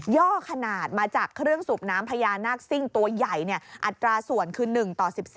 ่อขนาดมาจากเครื่องสูบน้ำพญานาคซิ่งตัวใหญ่อัตราส่วนคือ๑ต่อ๑๔